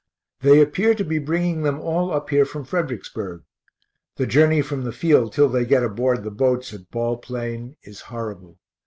They appear to be bringing them all up here from Fredericksburg. The journey from the field till they get aboard the boats at Ball plain is horrible.